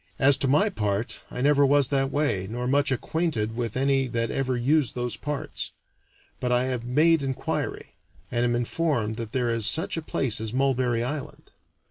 As to my part, I never was that way, nor much acquainted with any that ever used those parts; but I have made inquiry, and am informed that there is such a place as Mulberry Island.